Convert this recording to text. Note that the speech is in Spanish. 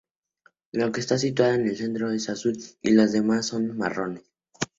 La que está situada en el centro es azul, y las demás son marrones.